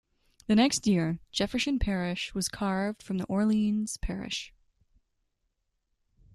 The next year, Jefferson Parish was carved from Orleans Parish.